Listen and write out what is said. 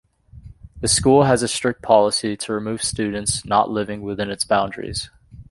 The school has a strict policy to remove students not living within its boundaries.